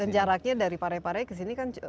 dan jaraknya dari parepare ke sini kan